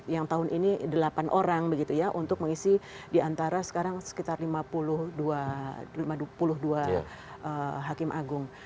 yang tahun ini delapan orang begitu ya untuk mengisi di antara sekarang sekitar lima puluh dua hakim agung